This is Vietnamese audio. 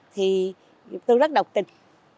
thì tôi rất độc tình